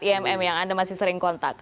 imm yang anda masih sering kontak